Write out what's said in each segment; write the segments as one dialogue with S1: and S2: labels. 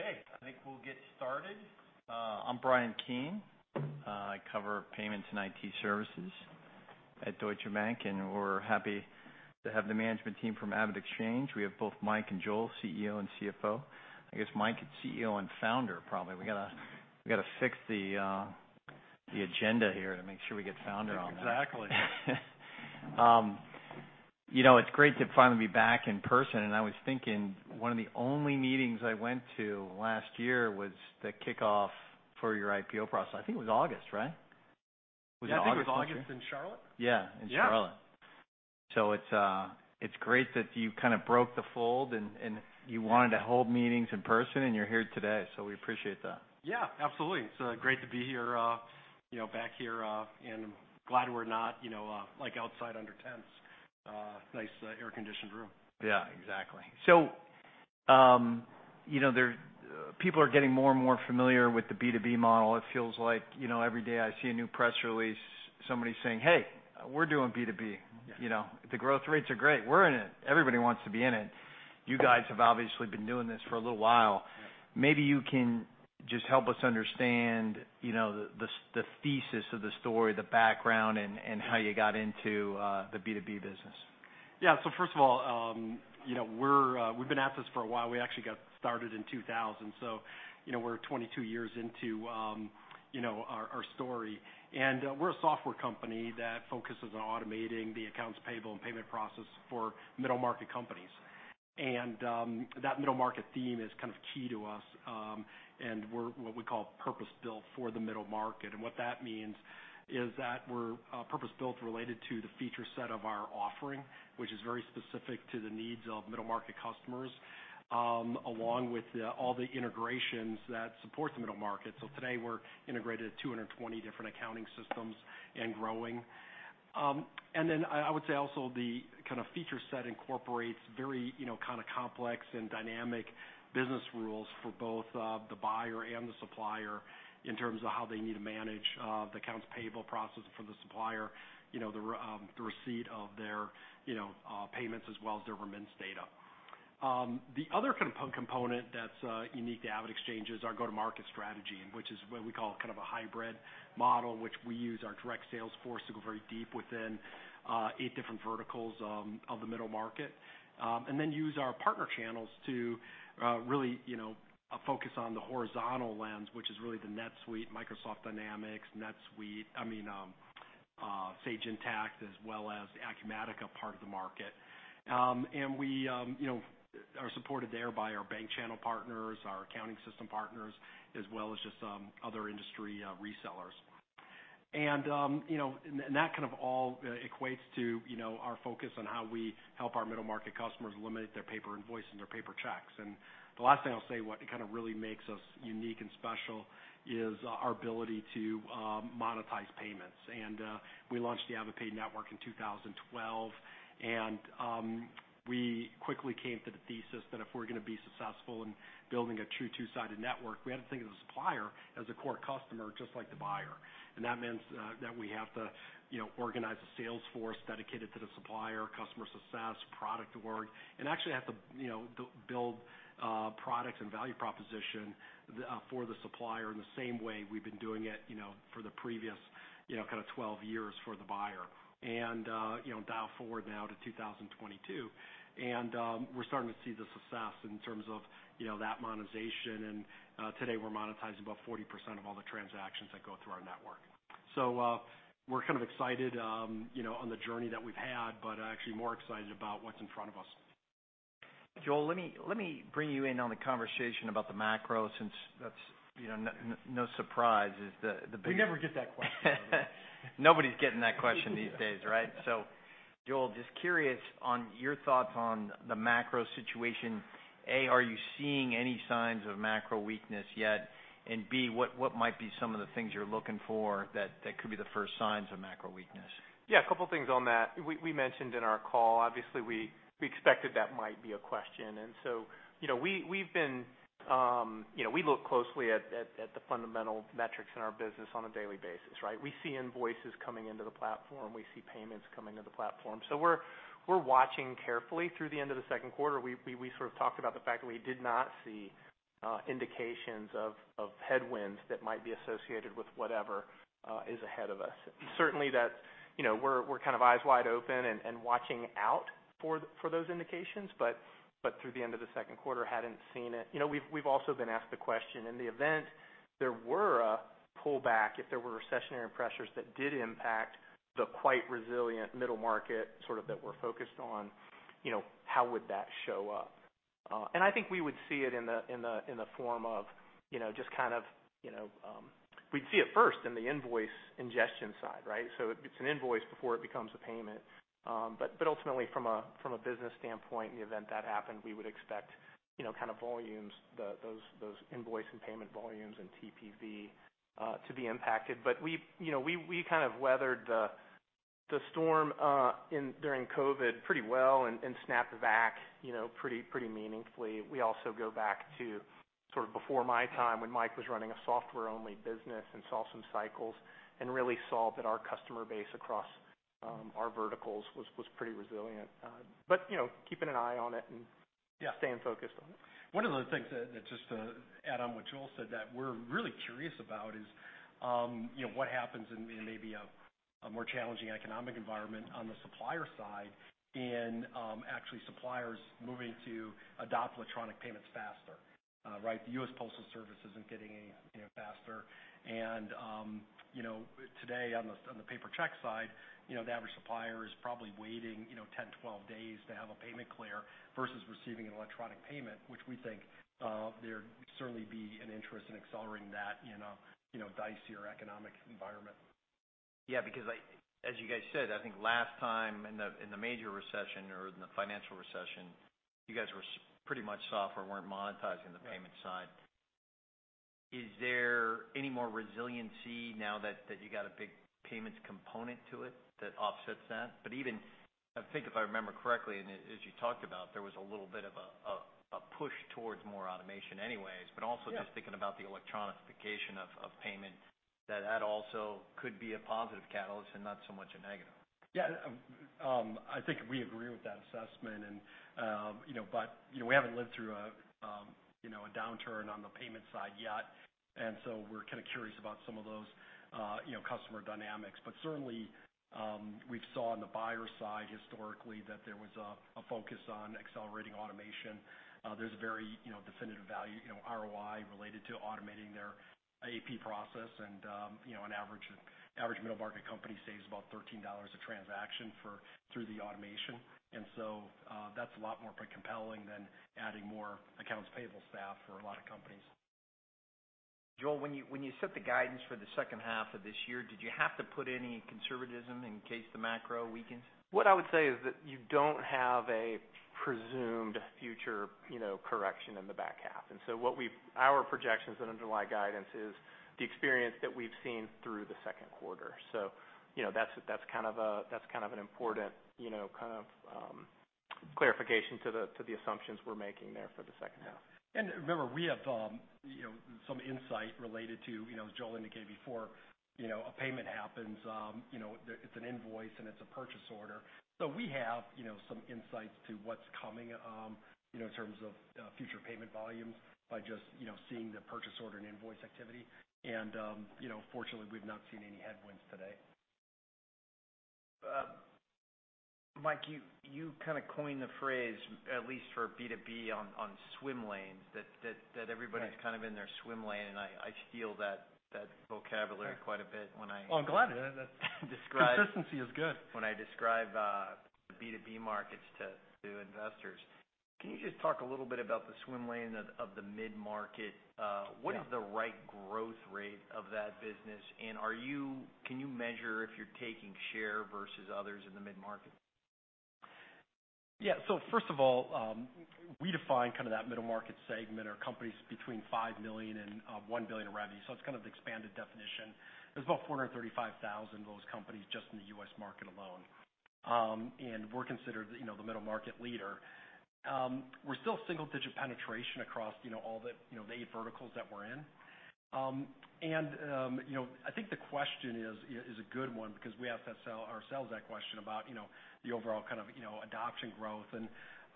S1: Okay, I think we'll get started. I'm Bryan Keane. I cover Payments and IT services at Deutsche Bank, and we're happy to have the management team from AvidXchange. We have both Mike and Joel, CEO and CFO. I guess Mike is CEO and founder, probably. We gotta fix the agenda here to make sure we get founder on there.
S2: Exactly.
S1: You know, it's great to finally be back in person. I was thinking, one of the only meetings I went to last year was the kickoff for your IPO process. I think it was August, right? Was it August last year?
S2: Yeah, I think it was August in Charlotte.
S1: Yeah, in Charlotte.
S2: Yeah.
S1: It's great that you kind of broke the mold and you wanted to hold meetings in person, and you're here today. We appreciate that.
S2: Yeah, absolutely. It's great to be here, you know, back here, and glad we're not, you know, like outside under tents. Nice, air-conditioned room.
S1: Yeah, exactly. You know, people are getting more and more familiar with the B2B model. It feels like, you know, every day, I see a new press release, somebody saying, "Hey, we're doing B2B.
S2: Yeah.
S1: You know, the growth rates are great. We're in it. Everybody wants to be in it. You guys have obviously been doing this for a little while.
S2: Right.
S1: Maybe you can just help us understand, you know, the thesis of the story, the background, and how you got into the B2B business?
S2: Yeah. First of all, you know, we've been at this for a while. We actually got started in 2000. You know, we're 22 years into, you know, our story. We're a software company that focuses on automating the accounts payable and payment process for middle-market companies. That middle market theme is kind of key to us, and we're what we call purpose-built for the middle market. What that means is that we're purpose-built related to the feature set of our offering, which is very specific to the needs of middle-market customers, along with all the integrations that support the middle market. Today, we're integrated with 220 different accounting systems and growing. I would say also the kind of feature set incorporates very, you know, kind of complex and dynamic business rules for both, the buyer and the supplier in terms of how they need to manage, the accounts payable process for the supplier. You know, the receipt of their, you know, payments as well as their remittance data. The other component that's unique to AvidXchange is our go-to-market strategy, and which is what we call kind of a hybrid model, which we use our direct sales force to go very deep within, eight different verticals, of the middle market. Use our partner channels to, really, you know, focus on the horizontal lens, which is really the NetSuite, Microsoft Dynamics, NetSuite. I mean, Sage Intacct, as well as the Acumatica part of the market. We, you know, are supported there by our bank channel partners, our accounting system partners, as well as just other industry resellers. You know, that kind of all equates to, you know, our focus on how we help our middle-market customers eliminate their paper invoice and their paper checks. The last thing I'll say, what kind of really makes us unique and special is our ability to monetize payments. We launched the AvidPay network in 2012. We quickly came to the thesis that if we're gonna be successful in building a true two-sided network, we had to think of the supplier as a core customer, just like the buyer. That means that we have to, you know, organize a sales force dedicated to the supplier, customer success, product org. Actually have to, you know, build products and value proposition for the supplier in the same way we've been doing it, you know, for the previous, you know, kind of 12 years for the buyer. You know, fast forward now to 2022, and we're starting to see the success in terms of, you know, that monetization. Today, we're monetizing about 40% of all the transactions that go through our network. We're kind of excited, you know, on the journey that we've had, but actually more excited about what's in front of us.
S1: Joel, let me bring you in on the conversation about the macro since that's, you know, no surprise, it's the big
S3: We never get that question.
S1: Nobody's getting that question these days, right? Joel, just curious on your thoughts on the macro situation. A, are you seeing any signs of macro weakness yet? B, what might be some of the things you're looking for that could be the first signs of macro weakness?
S3: Yeah, a couple things on that. We mentioned in our call, obviously, we expected that might be a question. You know, we've been. You know, we look closely at the fundamental metrics in our business on a daily basis, right? We see invoices coming into the platform. We see payments coming to the platform. We're watching carefully through the end of the second quarter. We sort of talked about the fact that we did not see indications of headwinds that might be associated with whatever is ahead of us. Certainly that, you know, we're kind of eyes wide open and watching out for those indications, but through the end of the second quarter, hadn't seen it. You know, we've also been asked the question, in the event there were a pullback, if there were recessionary pressures that did impact the quite resilient middle market, sort of that we're focused on, you know, how would that show up? I think we would see it in the form of, you know, just kind of, you know. We'd see it first in the invoice ingestion side, right? It's an invoice before it becomes a payment. Ultimately from a business standpoint, in the event that happened, we would expect, you know, kind of volumes, those invoice and payment volumes and TPV to be impacted. We've, you know, we kind of weathered the storm during COVID pretty well and snapped back, you know, pretty meaningfully. We also go back to Sort of before my time when Mike was running a software-only business and saw some cycles, and really saw that our customer base across our verticals was pretty resilient. You know, keeping an eye on it and-
S2: Yeah.
S3: Staying focused on it.
S2: One of the things that just to add on what Joel said that we're really curious about is, you know, what happens in maybe a more challenging economic environment on the supplier side and actually suppliers moving to adopt electronic payments faster. Right? The US Postal Service isn't getting any faster. You know, today on the paper check side, you know, the average supplier is probably waiting, you know, 10, 12 days to have a payment clear versus receiving an electronic payment, which we think there would certainly be an interest in accelerating that in a you know dicier economic environment.
S1: Yeah, because as you guys said, I think last time in the major recession or in the financial recession, you guys were pretty much software, weren't monetizing the payment side. Is there any more resiliency now that you got a big payments component to it that offsets that? Even, I think if I remember correctly, and as you talked about, there was a little bit of a push towards more automation anyways. Also-
S2: Yeah.
S1: Just thinking about the electronicification of payment, that also could be a positive catalyst and not so much a negative.
S2: Yeah. I think we agree with that assessment and, you know, we haven't lived through a downturn on the payment side yet, and so we're kinda curious about some of those customer dynamics. Certainly, we've saw on the buyer side historically that there was a focus on accelerating automation. There's a very definitive value, you know, ROI related to automating their AP process and, you know, an average middle market company saves about $13 a transaction through the automation. That's a lot more compelling than adding more accounts payable staff for a lot of companies.
S1: Joel, when you set the guidance for the second half of this year, did you have to put any conservatism in case the macro weakens?
S3: What I would say is that you don't have a presumed future, you know, correction in the back half. Our projections that underlie guidance is the experience that we've seen through the second quarter. You know, that's kind of an important, you know, kind of clarification to the assumptions we're making there for the second half.
S2: Remember, we have, you know, some insight related to, you know, as Joel indicated before, you know, a payment happens, you know, it's an invoice, and it's a purchase order. We have, you know, some insights to what's coming, you know, in terms of future payment volumes by just, you know, seeing the purchase order and invoice activity. You know, fortunately, we've not seen any headwinds today.
S1: Mike, you kind of coined the phrase, at least for B2B on swim lanes, that everybody-
S2: Right.
S1: Is kind of in their swim lane, and I steal that vocabulary.
S2: Yeah.
S1: Quite a bit when I.
S2: Oh, I'm glad.
S1: Describe-
S2: Consistency is good.
S1: When I describe B2B markets to investors. Can you just talk a little bit about the swim lane of the mid-market?
S2: Yeah.
S1: What is the right growth rate of that business, and can you measure if you're taking share versus others in the mid-market?
S2: Yeah. First of all, we define kind of that middle market segment or companies between $5 million and $1 billion in revenue. It's kind of the expanded definition. There's about 435,000 of those companies just in the U.S. market alone. We're considered, you know, the middle market leader. We're still single-digit penetration across, you know, all the, you know, the eight verticals that we're in. You know, I think the question is a good one because we ask ourselves that question about, you know, the overall kind of, you know, adoption growth.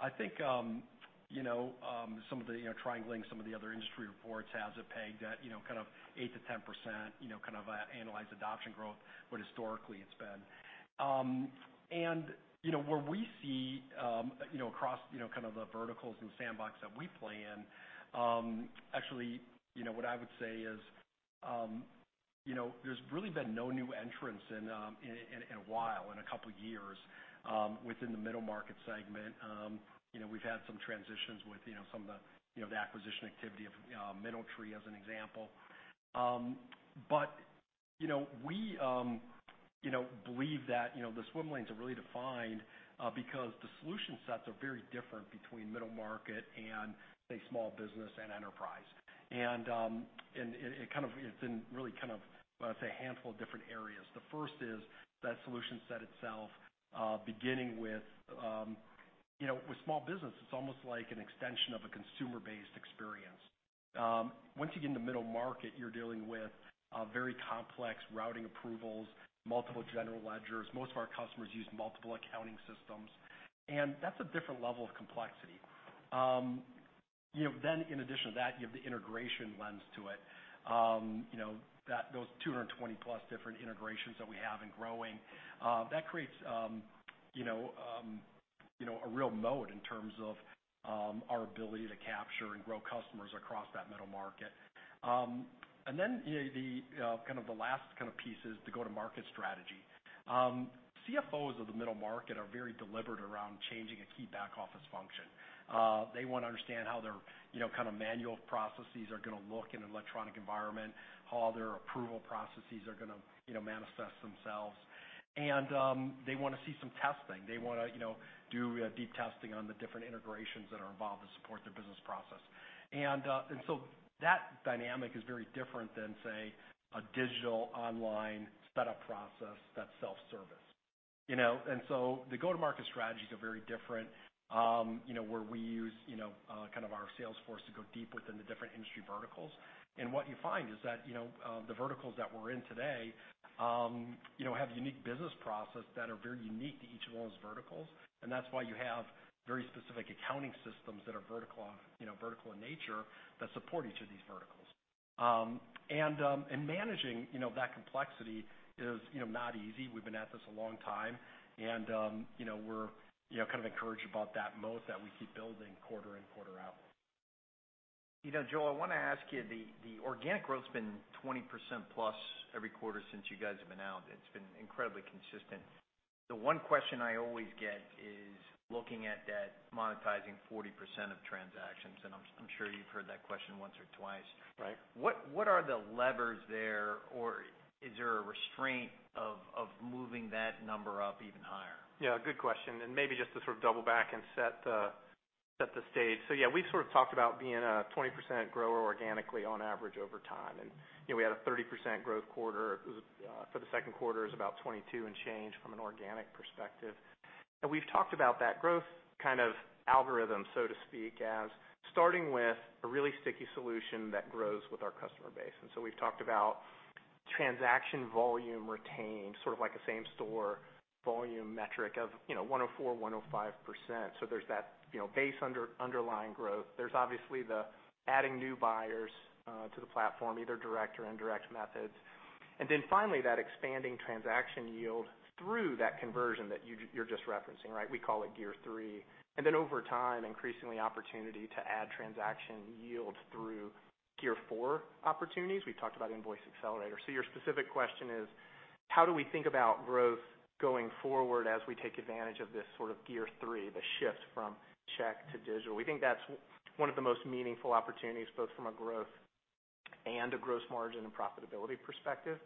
S2: I think, you know, some of the, you know, triangulating some of the other industry reports has it pegged at, you know, kind of 8%-10%, you know, kind of annualized adoption growth, what historically it's been. You know, where we see, you know, across, you know, kind of the verticals and sandbox that we play in, actually, you know, what I would say is, you know, there's really been no new entrants in a while, in a couple years, within the middle market segment. You know, we've had some transitions with, you know, some of the, you know, the acquisition activity of MineralTree as an example. You know, we you know believe that you know the swim lanes are really defined because the solution sets are very different between middle market and, say, small business and enterprise. It's really kind of, let's say, a handful of different areas. The first is that solution set itself, beginning with you know with small business. It's almost like an extension of a consumer-based experience. Once you get into middle market, you're dealing with very complex routing approvals, multiple general ledgers. Most of our customers use multiple accounting systems, and that's a different level of complexity. You know then in addition to that, you have the integration lens to it. You know, those 220+ different integrations that we have and growing that creates you know, a real moat in terms of our ability to capture and grow customers across that middle market. You know, the kind of the last kind of piece is the go-to-market strategy. CFOs of the middle market are very deliberate around changing a key back-office function. They wanna understand how their you know, kind of manual processes are gonna look in an electronic environment, how their approval processes are gonna you know, manifest themselves. They wanna see some testing. They wanna you know, do deep testing on the different integrations that are involved to support their business process. That dynamic is very different than, say, a digital online setup process that's self-service. You know, the go-to-market strategies are very different, you know, where we use, you know, kind of our sales force to go deep within the different industry verticals. What you find is that, you know, the verticals that we're in today, you know, have unique business process that are very unique to each of those verticals, and that's why you have very specific accounting systems that are vertical, you know, vertical in nature that support each of these verticals. Managing, you know, that complexity is, you know, not easy. We've been at this a long time, and, you know, we're, you know, kind of encouraged about that moat that we keep building quarter in, quarter out.
S1: You know, Joel, I wanna ask you. The organic growth's been 20%+ every quarter since you guys have been out. It's been incredibly consistent. The one question I always get is looking at that monetizing 40% of transactions, and I'm sure you've heard that question once or twice.
S3: Right.
S1: What are the levers there, or is there a restraint of moving that number up even higher?
S3: Yeah, good question. Maybe just to sort of double back and set the stage. Yeah, we've sort of talked about being a 20% grower organically on average over time, and, you know, we had a 30% growth quarter. It was for the second quarter about 22% and change from an organic perspective. We've talked about that growth kind of algorithm, so to speak, as starting with a really sticky solution that grows with our customer base. We've talked about transaction volume retained, sort of like a same store volume metric of, you know, 104%, 105%. There's that, you know, base underlying growth. There's obviously the adding new buyers to the platform, either direct or indirect methods. Finally, that expanding transaction yield through that conversion that you're just referencing, right? We call it gear three. Over time, increasingly opportunity to add transaction yields through gear four opportunities. We've talked about Invoice Accelerator. Your specific question is, how do we think about growth going forward as we take advantage of this sort of gear three, the shift from check to digital? We think that's one of the most meaningful opportunities, both from a growth and a gross margin and profitability perspective.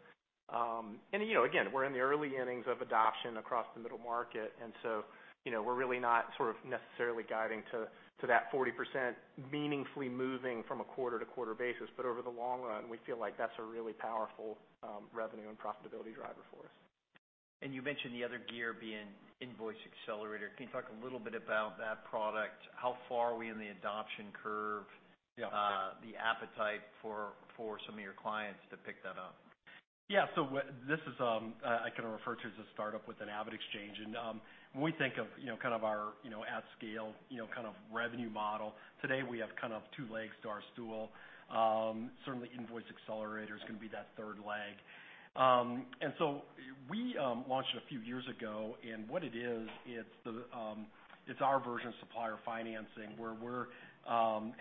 S3: And you know, again, we're in the early innings of adoption across the middle market, and so, you know, we're really not sort of necessarily guiding to that 40% meaningfully moving from a quarter to quarter basis. Over the long run, we feel like that's a really powerful revenue and profitability driver for us.
S1: You mentioned the other gear being Invoice Accelerator. Can you talk a little bit about that product? How far are we in the adoption curve?
S2: Yeah.
S1: The appetite for some of your clients to pick that up.
S2: Yeah. This is, I kind of refer to as a startup within AvidXchange. When we think of, you know, kind of our, you know, at scale, you know, kind of revenue model, today, we have kind of two legs to our stool. Certainly Invoice Accelerator is gonna be that third leg. We launched a few years ago, and what it is, it's our version of supplier financing, where we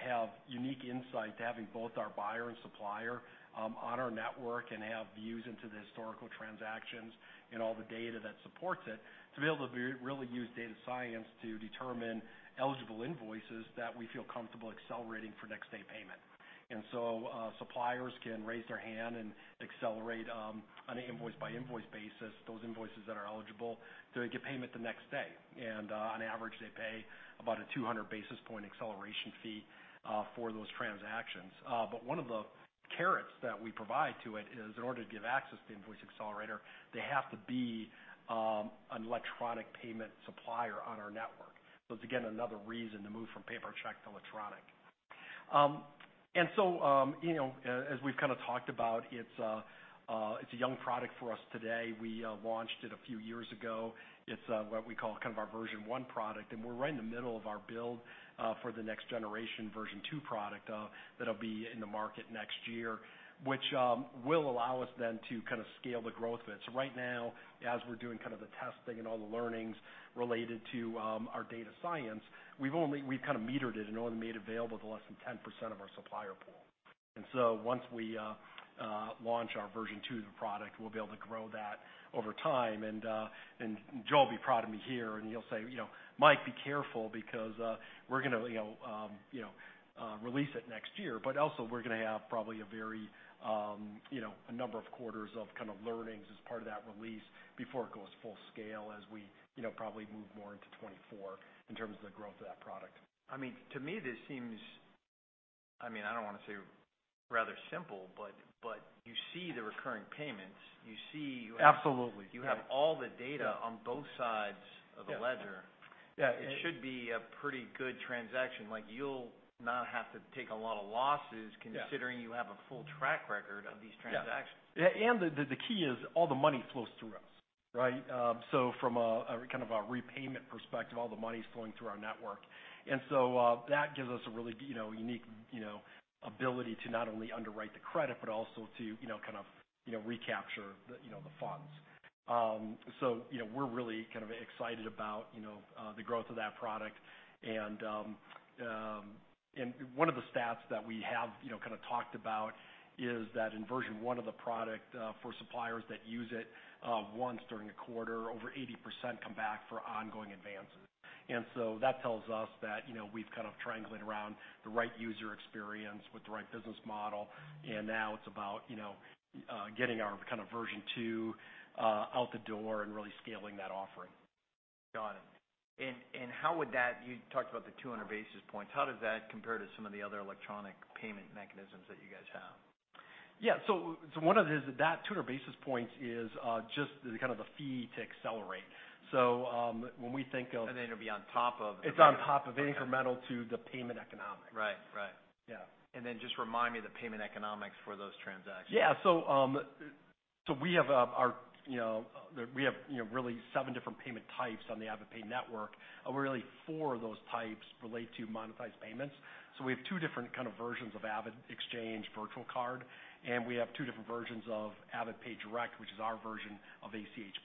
S2: have unique insight into having both our buyer and supplier on our network and have views into the historical transactions and all the data that supports it, to be able to really use data science to determine eligible invoices that we feel comfortable accelerating for next day payment. Suppliers can raise their hand and accelerate on an invoice by invoice basis, those invoices that are eligible to get payment the next day. On average, they pay about a 200 basis points acceleration fee for those transactions. One of the carrots that we provide to it is in order to give access to Invoice Accelerator, they have to be an electronic payment supplier on our network. It's again, another reason to move from paper or check to electronic. You know, as we've kind of talked about, it's a young product for us today. We launched it a few years ago. It's what we call kind of our version one product, and we're right in the middle of our build for the next generation version two product that'll be in the market next year, which will allow us then to kind of scale the growth of it. Right now, as we're doing kind of the testing and all the learnings related to our data science, we've kind of metered it and only made available to less than 10% of our supplier pool. Once we launch our version two of the product, we'll be able to grow that over time. Joe will be proud of me here, and he'll say, you know, "Mike, be careful because we're gonna, you know, release it next year, but also we're gonna have probably a very, you know, a number of quarters of kind of learnings as part of that release before it goes full scale, as we, you know, probably move more into 2024 in terms of the growth of that product.
S1: I mean, to me this seems I mean, I don't wanna say rather simple, but you see the recurring payments. You see
S2: Absolutely.
S1: You have all the data on both sides of the ledger.
S2: Yeah.
S1: It should be a pretty good transaction. Like, you'll not have to take a lot of losses.
S2: Yeah.
S1: Considering you have a full track record of these transactions.
S2: Yeah. The key is all the money flows through us, right? From a kind of repayment perspective, all the money's flowing through our network. That gives us a really, you know, unique, you know, ability to not only underwrite the credit, but also to, you know, kind of, you know, recapture the, you know, the funds. We're really kind of excited about, you know, the growth of that product. One of the stats that we have, you know, kind of talked about is that in version one of the product, for suppliers that use it once during the quarter, over 80% come back for ongoing advances. That tells us that, you know, we've kind of triangulated around the right user experience with the right business model, and now it's about, you know, getting our kind of version two out the door and really scaling that offering.
S1: Got it. You talked about the 200 basis points. How does that compare to some of the other electronic payment mechanisms that you guys have?
S2: Yeah. One of it is that 200 basis points is just the kind of the fee to accelerate. When we think of-
S1: That'll be on top of the
S2: It's on top of incremental to the payment economics.
S1: Right. Right.
S2: Yeah.
S1: Just remind me the payment economics for those transactions.
S2: Yeah. We have, you know, really seven different payment types on the AvidPay Network. Really four of those types relate to monetized payments. We have two different kind of versions of AvidXchange virtual card, and we have two different versions of AvidPay Direct, which is our version of ACH+.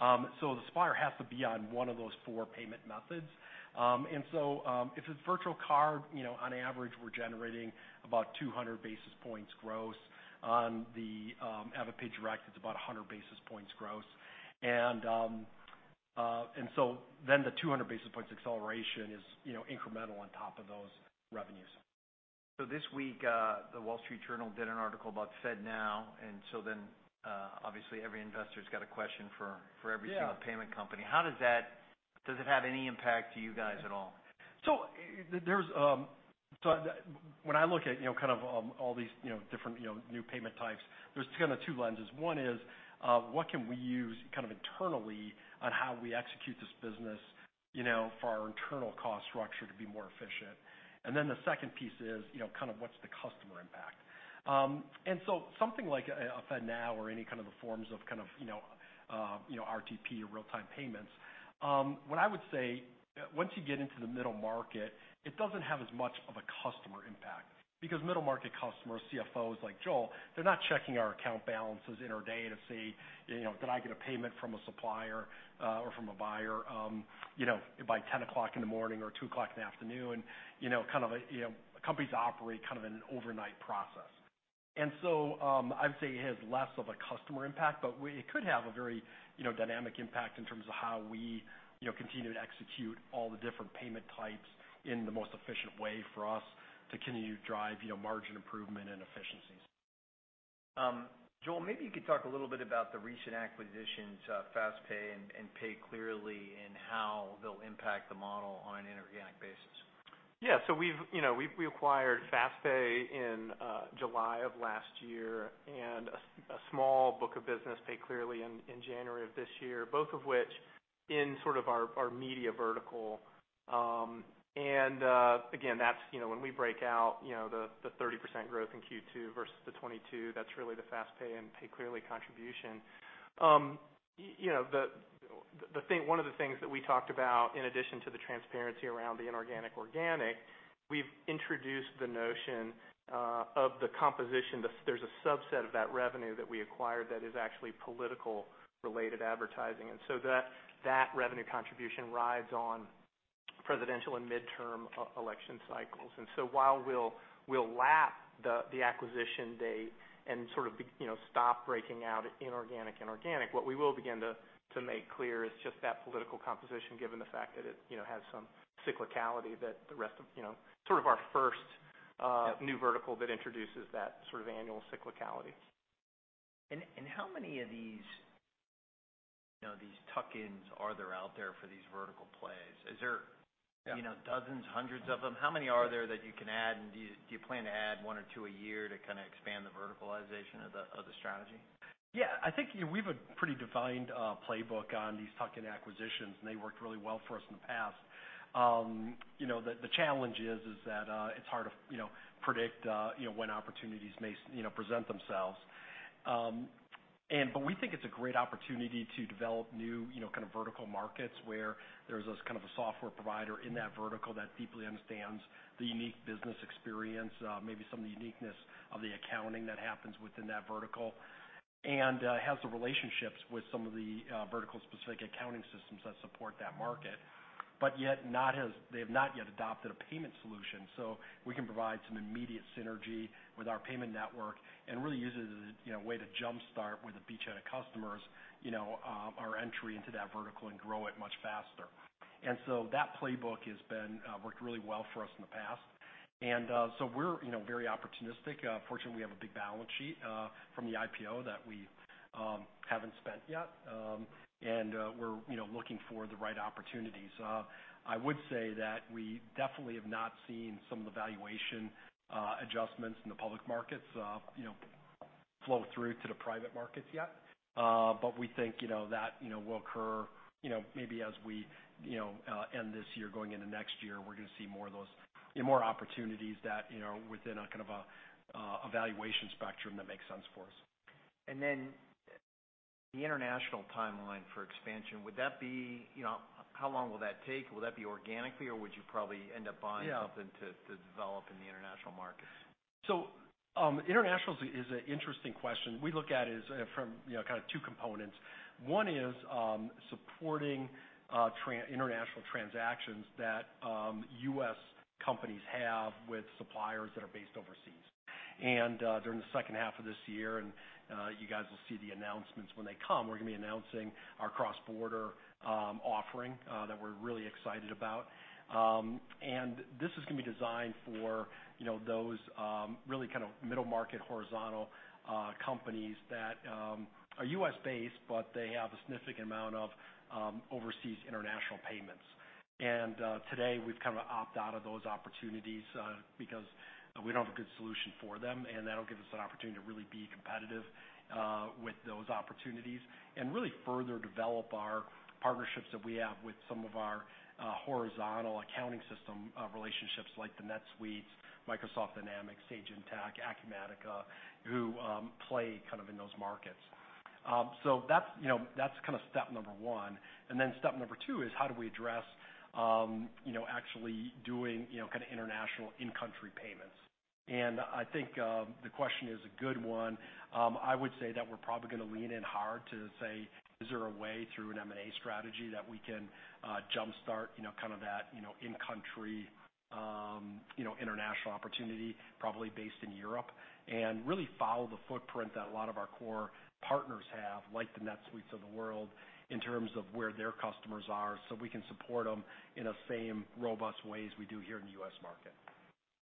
S2: The supplier has to be on one of those four payment methods. If it's virtual card, you know, on average, we're generating about 200 basis points gross. On the AvidPay Direct, it's about 100 basis points gross. Then the 200 basis points acceleration is, you know, incremental on top of those revenues.
S1: This week, The Wall Street Journal did an article about FedNow, and so then, obviously every investor's got a question for every
S2: Yeah
S1: Single payment company. Does it have any impact to you guys at all?
S2: When I look at, you know, kind of, all these, you know, different, you know, new payment types, there's kinda two lenses. One is, what can we use kind of internally on how we execute this business, you know, for our internal cost structure to be more efficient. Then the second piece is, you know, kind of what's the customer impact. Something like a FedNow or any kind of the forms of kind of, you know, RTP or real-time payments, what I would say, once you get into the middle market, it doesn't have as much of a customer impact, because middle-market customers, CFOs like Joel, they're not checking our account balances every day to see, you know, did I get a payment from a supplier or from a buyer, you know, by 10:00A.M. or 2:00P.M. You know, kind of a, you know, companies operate kind of in an overnight process. I'd say it has less of a customer impact, but it could have a very, you know, dynamic impact in terms of how we, you know, continue to execute all the different payment types in the most efficient way for us to continue to drive, you know, margin improvement and efficiencies.
S1: Joel, maybe you could talk a little bit about the recent acquisitions, FastPay and PayClearly, and how they'll impact the model on an inorganic basis.
S3: We've, you know, we acquired FastPay in July of last year and a small book of business, PayClearly, in January of this year, both of which in sort of our media vertical. Again, that's, you know, when we break out, you know, the 30% growth in Q2 versus the 22%, that's really the FastPay and PayClearly contribution. You know, one of the things that we talked about, in addition to the transparency around the inorganic and organic, we've introduced the notion of the composition. There's a subset of that revenue that we acquired that is actually political related advertising. That revenue contribution rides on presidential and midterm election cycles. While we'll lap the acquisition date and sort of stop breaking out inorganic and organic, what we will begin to make clear is just that portfolio composition, given the fact that it, you know, has some cyclicality that the rest of, you know, sort of our first.
S1: Yep
S3: New vertical that introduces that sort of annual cyclicality.
S1: How many of these, you know, these tuck-ins are there out there for these vertical plays? Is there-
S3: Yeah
S1: You know, dozens, hundreds of them? How many are there that you can add, and do you plan to add one or two a year to kinda expand the verticalization of the strategy?
S2: Yeah. I think we have a pretty defined playbook on these tuck-in acquisitions, and they worked really well for us in the past. You know, the challenge is that it's hard to predict when opportunities may present themselves. But we think it's a great opportunity to develop new vertical markets, where there's this kind of a software provider in that vertical that deeply understands the unique business experience, maybe some of the uniqueness of the accounting that happens within that vertical, and has the relationships with some of the vertical specific accounting systems that support that market. But yet they have not yet adopted a payment solution. We can provide some immediate synergy with our payment network and really use it as a, you know, way to jump-start with a beachhead of customers, you know, our entry into that vertical and grow it much faster. That playbook has been worked really well for us in the past. We're, you know, very opportunistic. Fortunately, we have a big balance sheet from the IPO that we haven't spent yet. We're, you know, looking for the right opportunities. I would say that we definitely have not seen some of the valuation adjustments in the public markets, you know, flow through to the private markets yet. We think, you know, that, you know, will occur, you know, maybe as we, you know, end this year going into next year. We're gonna see more of those, you know, more opportunities that, you know, within a kind of a valuation spectrum that makes sense for us.
S1: The international timeline for expansion, would that be, you know? How long will that take? Will that be organically, or would you probably end up buying?
S2: Yeah
S1: Something to develop in the international market?
S2: International is an interesting question. We look at it as from, you know, kind of two components. One is supporting international transactions that U.S. companies have with suppliers that are based overseas. During the second half of this year, you guys will see the announcements when they come, we're gonna be announcing our cross-border offering that we're really excited about. This is gonna be designed for, you know, those really kind of middle market horizontal companies that are U.S.-based, but they have a significant amount of overseas international payments. Today, we've kinda opt out of those opportunities because we don't have a good solution for them, and that'll give us an opportunity to really be competitive with those opportunities and really further develop our partnerships that we have with some of our horizontal accounting system relationships like the NetSuite, Microsoft Dynamics, Sage Intacct, Acumatica, who play kind of in those markets. So that's, you know, that's kinda step number one. Then step number two is how do we address you know, actually doing, you know, kinda international in-country payments. I think the question is a good one. I would say that we're probably gonna lean in hard to say, is there a way through an M&A strategy that we can, jumpstart, you know, kind of that, you know, in-country, you know, international opportunity, probably based in Europe, and really follow the footprint that a lot of our core partners have, like the NetSuite of the world, in terms of where their customers are, so we can support them in the same robust ways we do here in the U.S. market.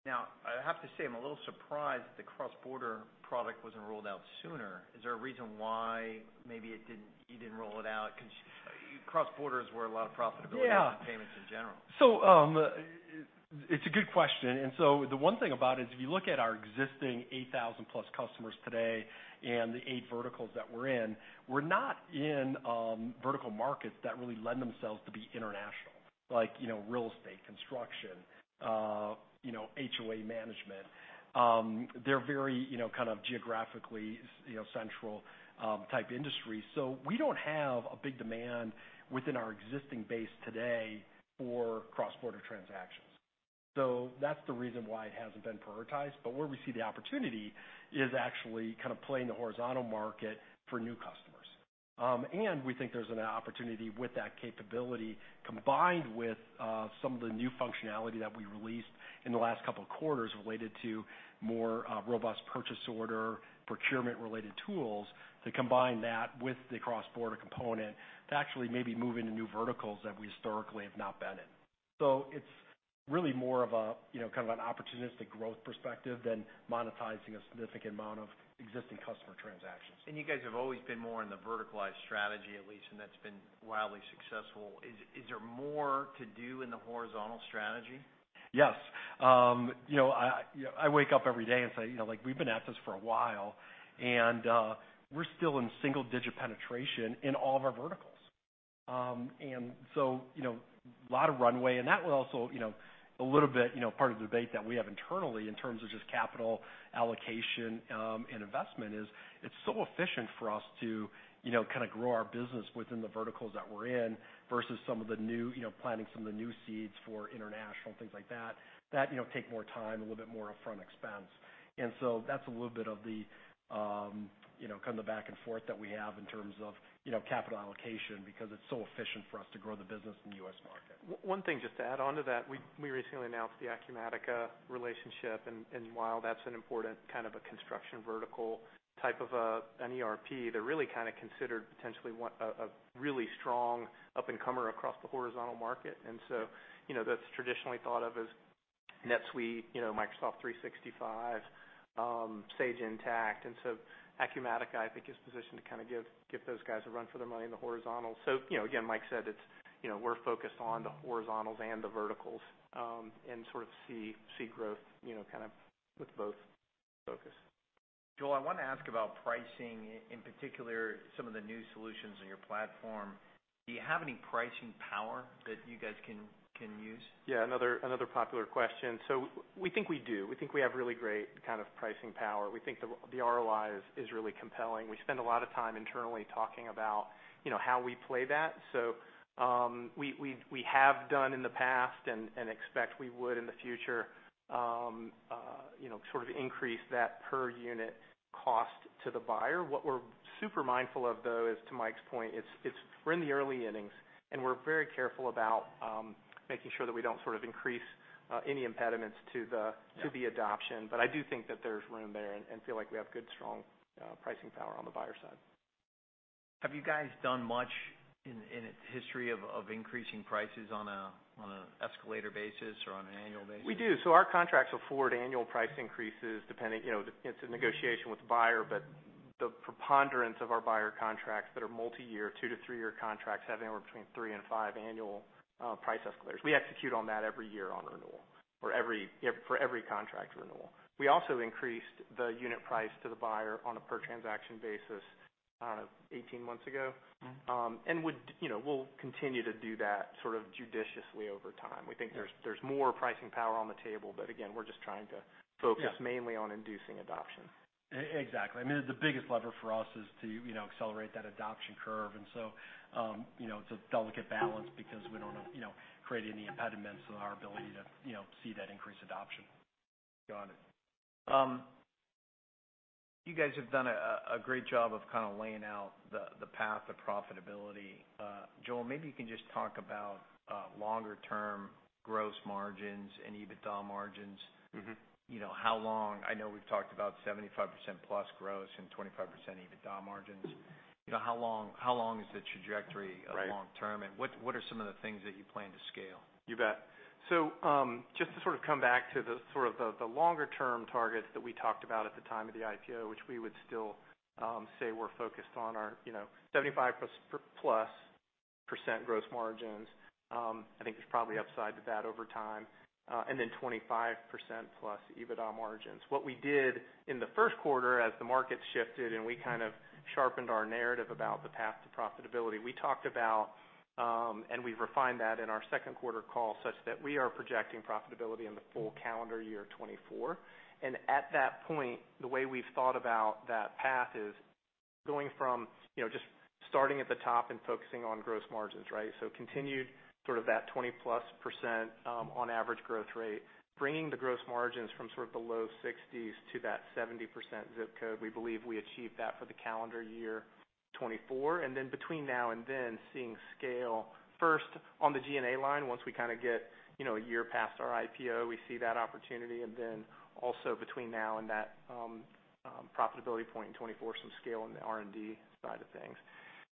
S1: Now, I have to say, I'm a little surprised the cross-border product wasn't rolled out sooner. Is there a reason why maybe you didn't roll it out? 'Cause cross-border is where a lot of profitability.
S2: Yeah.
S1: is in payments in general.
S2: It's a good question. The one thing about it is, if you look at our existing 8,000+ customers today and the eight verticals that we're in, we're not in vertical markets that really lend themselves to be international. Like, you know, real estate, construction, you know, HOA management. They're very, you know, kind of geographically, you know, central type industry. We don't have a big demand within our existing base today for cross-border transactions. That's the reason why it hasn't been prioritized. Where we see the opportunity is actually kind of playing the horizontal market for new customers. We think there's an opportunity with that capability, combined with some of the new functionality that we released in the last couple of quarters related to more robust purchase order, procurement related tools, to combine that with the cross-border component to actually maybe move into new verticals that we historically have not been in. It's really more of a, you know, kind of an opportunistic growth perspective than monetizing a significant amount of existing customer transactions.
S1: You guys have always been more in the verticalized strategy, at least, and that's been wildly successful. Is there more to do in the horizontal strategy?
S2: Yes. You know, I wake up every day and say, you know, like, we've been at this for a while, and we're still in single digit penetration in all of our verticals. You know, lot of runway, and that was also, you know, a little bit, you know, part of the debate that we have internally in terms of just capital allocation, and investment is it's so efficient for us to, you know, kinda grow our business within the verticals that we're in versus some of the new, you know, planting some of the new seeds for international, things like that. That, you know, take more time, a little bit more upfront expense. That's a little bit of the, you know, kind of the back and forth that we have in terms of, you know, capital allocation, because it's so efficient for us to grow the business in the U.S. market.
S3: One thing just to add onto that. We recently announced the Acumatica relationship, and while that's an important kind of a construction vertical type of an ERP, they're really kinda considered potentially a really strong up-and-comer across the horizontal market. You know, that's traditionally thought of as NetSuite, you know, Microsoft 365, Sage Intacct. Acumatica, I think, is positioned to kinda give those guys a run for their money in the horizontal. You know, again, Mike said, it's, you know, we're focused on the horizontals and the verticals, and sort of see growth, you know, kind of with both focus.
S1: Joel, I wanna ask about pricing, in particular, some of the new solutions in your platform. Do you have any pricing power that you guys can use?
S3: Yeah, another popular question. We think we do. We think we have really great kind of pricing power. We think the ROI is really compelling. We spend a lot of time internally talking about, you know, how we play that. We have done in the past, and expect we would in the future, you know, sort of increase that per unit cost to the buyer. What we're super mindful of, though, is to Mike's point, it's we're in the early innings, and we're very careful about making sure that we don't sort of increase any impediments to the-
S1: Yeah.
S3: to the adoption. I do think that there's room there and feel like we have good, strong pricing power on the buyer side.
S1: Have you guys done much in its history of increasing prices on an escalator basis or on an annual basis?
S3: We do. Our contracts afford annual price increases depending, you know, it's a negotiation with the buyer, but the preponderance of our buyer contracts that are multi-year, two to three-year contracts, have anywhere between three and five annual price escalators. We execute on that every year on renewal or for every contract renewal. We also increased the unit price to the buyer on a per transaction basis 18 months ago.
S1: Mm-hmm.
S3: You know, we'll continue to do that sort of judiciously over time. We think there's more pricing power on the table, but again, we're just trying to focus.
S1: Yeah.
S3: mainly on inducing adoption.
S2: Exactly. I mean, the biggest lever for us is to, you know, accelerate that adoption curve. It's a delicate balance because we don't want, you know, create any impediments in our ability to, you know, see that increased adoption.
S1: Got it. You guys have done a great job of kinda laying out the path to profitability. Joel, maybe you can just talk about longer term gross margins and EBITDA margins.
S3: Mm-hmm.
S1: You know, how long I know we've talked about 75% plus gross and 25% EBITDA margins. You know, how long is the trajectory of long term?
S3: Right.
S1: What are some of the things that you plan to scale?
S3: You bet. Just to sort of come back to the longer-term targets that we talked about at the time of the IPO, which we would still say we're focused on our, you know, 75%+ gross margins. I think there's probably upside to that over time. Then 25%+ EBITDA margins. What we did in the first quarter as the market shifted, and we kind of sharpened our narrative about the path to profitability, we talked about, and we've refined that in our second quarter call such that we are projecting profitability in the full calendar year 2024. At that point, the way we've thought about that path is going from, you know, just starting at the top and focusing on gross margins, right? Continued sort of that 20%+ on average growth rate, bringing the gross margins from sort of the low 60s% to that 70% zip code. We believe we achieved that for the calendar year 2024. Between now and then, seeing scale first on the G&A line. Once we kinda get, you know, a year past our IPO, we see that opportunity. Between now and that profitability point in 2024, some scale on the R&D side of things.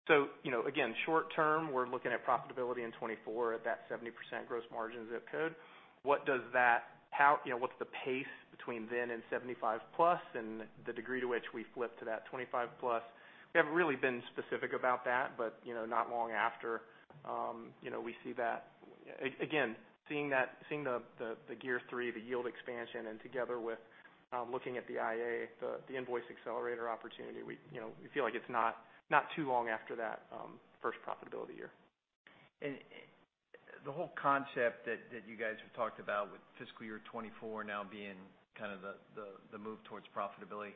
S3: You know, again, short term, we're looking at profitability in 2024 at that 70% gross margin zip code. What does that. How, you know, what's the pace between then and 75%+ and the degree to which we flip to that 25%+? We haven't really been specific about that, but you know not long after you know we see that. Seeing the Q3 the yield expansion and together with looking at the IA the Invoice Accelerator opportunity we you know we feel like it's not too long after that first profitability year.
S1: The whole concept that you guys have talked about with fiscal year 2024 now being kind of the move towards profitability,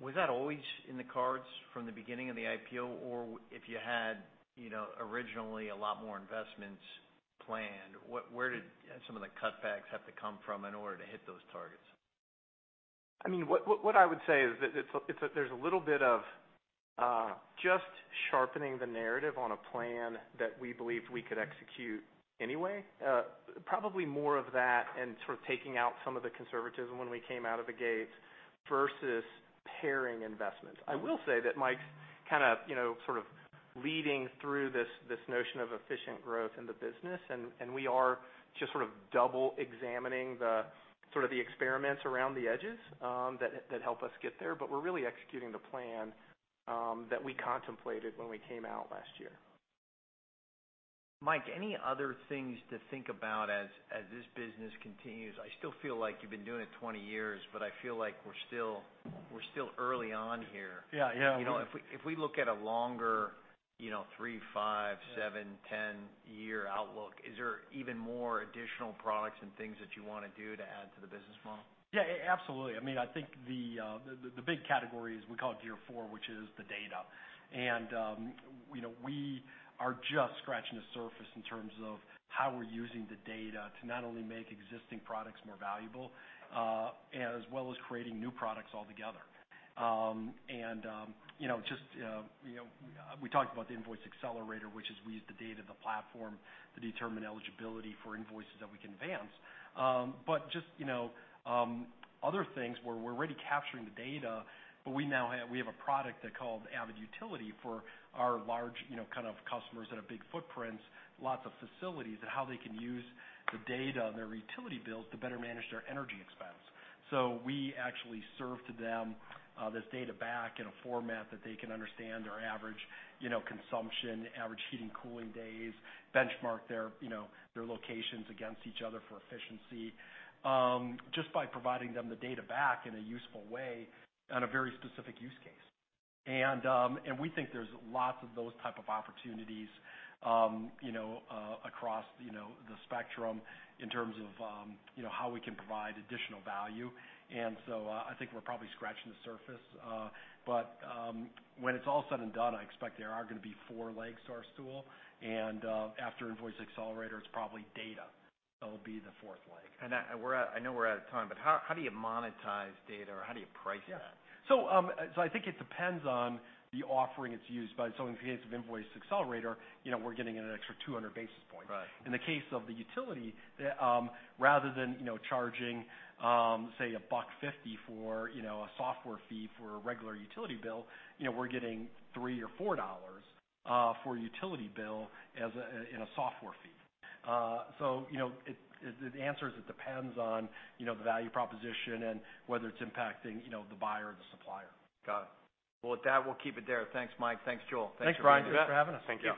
S1: was that always in the cards from the beginning of the IPO? Or if you had, you know, originally a lot more investments planned, what, where did some of the cutbacks have to come from in order to hit those targets?
S3: I mean, what I would say is that there's a little bit of just sharpening the narrative on a plan that we believed we could execute anyway. Probably more of that and sort of taking out some of the conservatism when we came out of the gates versus paring investments. I will say that Mike's kind of, you know, sort of leading through this notion of efficient growth in the business, and we are just sort of double examining the sort of experiments around the edges that help us get there. We're really executing the plan that we contemplated when we came out last year.
S1: Mike, any other things to think about as this business continues? I still feel like you've been doing it 20 years, but I feel like we're still early on here.
S2: Yeah, yeah.
S1: You know, if we look at a longer, you know, 3, 5, 7, 10-year outlook, is there even more additional products and things that you wanna do to add to the business model?
S2: Yeah, absolutely. I mean, I think the big category is we call it gear four, which is the data. You know, we are just scratching the surface in terms of how we're using the data to not only make existing products more valuable, as well as creating new products altogether. You know, we talked about the Invoice Accelerator, which is we use the data, the platform to determine eligibility for invoices that we can advance. But just, you know, other things where we're really capturing the data, but we now have a product they call the AvidUtility for our large, you know, kind of customers that have big footprints, lots of facilities, and how they can use the data on their utility bills to better manage their energy expense. We actually serve to them this data back in a format that they can understand their average, you know, consumption, average heating, cooling days, benchmark their, you know, their locations against each other for efficiency, just by providing them the data back in a useful way on a very specific use case. We think there's lots of those type of opportunities, you know, across, you know, the spectrum in terms of, you know, how we can provide additional value. I think we're probably scratching the surface. When it's all said and done, I expect there are gonna be four legs to our stool, and after Invoice Accelerator, it's probably data that'll be the fourth leg.
S1: I know we're out of time, but how do you monetize data or how do you price that?
S2: Yeah. I think it depends on the offering it's used by. In the case of Invoice Accelerator, you know, we're getting an extra 200 basis points.
S1: Right.
S2: In the case of the utility, rather than, you know, charging, say, a $1.50 for, you know, a software fee for a regular utility bill, you know, we're getting $3 or $4 for a utility bill as a, in a software fee. You know, it depends on, you know, the value proposition and whether it's impacting, you know, the buyer or the supplier.
S1: Got it. Well, with that, we'll keep it there. Thanks, Mike. Thanks, Joel.
S3: Thanks, Brian.
S2: Thanks for having us.
S3: Thank you.